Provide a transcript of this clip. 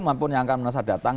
mampunya akan merasa datang